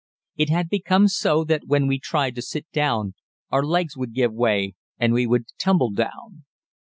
It had become so that when we tried to sit down our legs would give way and we would tumble down.